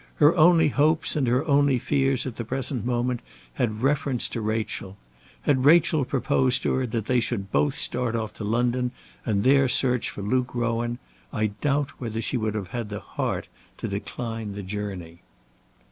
Her only hopes and her only fears at the present moment had reference to Rachel. Had Rachel proposed to her that they should both start off to London and there search for Luke Rowan, I doubt whether she would have had the heart to decline the journey.